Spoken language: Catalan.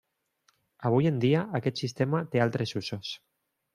Avui en dia, aquest sistema té altres usos.